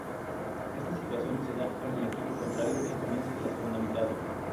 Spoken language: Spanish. Esta situación se da con el equipo contrario al comienzo de la segunda mitad.